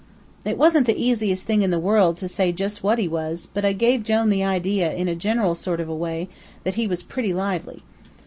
"It wasn't the easiest thing in the world to say jus' what he was, but I give Jone the idea, in a general sort of way, that he was pretty lively.